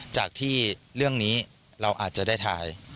จากที่เรื่องนี้เราอาจจะได้ถ่าย